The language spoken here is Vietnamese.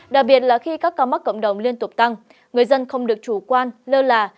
đặc biệt là khi các ca mắc cộng đồng liên tục tăng người dân không được chủ quan lơ là